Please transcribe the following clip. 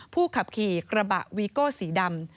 ผู้ขับขี่กระบะวีโก้สีดำ